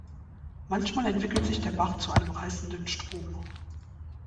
Manchmal entwickelt sich der Bach zu einem reißenden Strom.